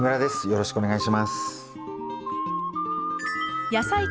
よろしくお願いします。